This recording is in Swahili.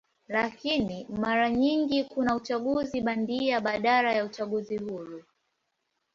Lakini mara nyingi kuna uchaguzi bandia badala ya uchaguzi huru.